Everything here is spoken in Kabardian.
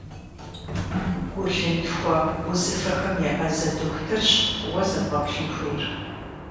Гу-лъынтхуэ узыфэхэм еӏэзэ дохутырщ уэ зэбгъэплъын хуейр.